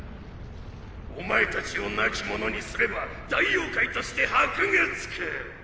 おまえ達を亡き者にすれば大妖怪として箔がつく。